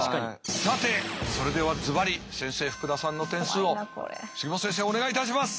さてそれではズバリ先生福田さんの点数を杉本先生お願いいたします。